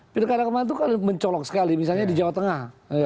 pilkada kemarin itu kan mencolok sekali misalnya di jawa tengah